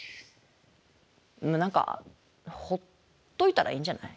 何かほっといたらいいんじゃない？